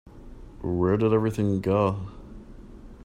Where did everything go?